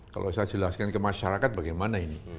kalau saya jelaskan ke masyarakat bagaimana ini